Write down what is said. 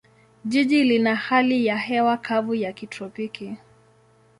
Jiji lina hali ya hewa kavu ya kitropiki.